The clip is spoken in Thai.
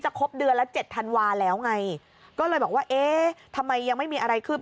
ครบเดือนละเจ็ดธันวาแล้วไงก็เลยบอกว่าเอ๊ะทำไมยังไม่มีอะไรคืบ